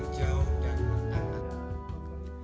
dari sisi hijau dan berkata